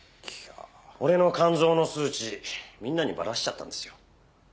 俺の肝臓の数値みんなにバラしちゃったんですよ。